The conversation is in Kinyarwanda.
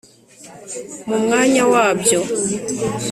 mu mwanya wabyo,